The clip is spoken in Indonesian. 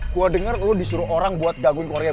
gue denger lo disuruh orang buat gagun korea